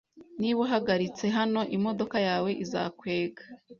Niba uhagaritse hano, imodoka yawe izakwega.